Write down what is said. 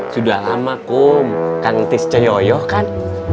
sudah lama kum kan etis ceoyoh kan